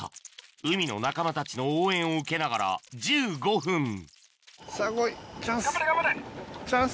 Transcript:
海の仲間たちの応援を受けながら１５分チャンス。